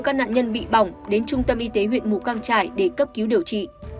các nạn nhân bị bỏng đến trung tâm y tế huyện mù căng trải để cấp cứu điều trị